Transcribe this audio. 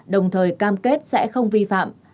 đồng thời cam kết sẽ không vi phạm